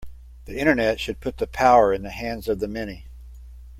The Internet should put the power in the hands of the many.